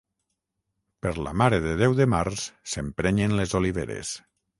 Per la Mare de Déu de març s'emprenyen les oliveres.